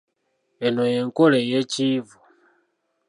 Eno y'enkola ey'ekiyivu.